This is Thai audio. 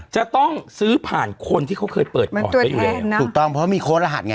จะต้องซื้อผ่านคนที่เขาเคยเปิดพอร์ตไว้อยู่แล้วถูกต้องเพราะมีโค้ดรหัสไง